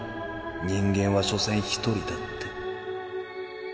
人間はしょせん一人だって。